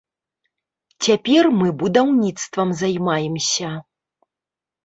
Цяпер мы будаўніцтвам займаемся.